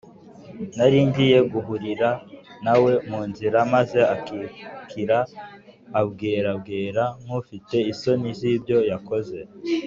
Nari ngiye guhurira nawe mu nzira, maze akikira abwerabwera, nk’ufite isoni z’ibyo yakoze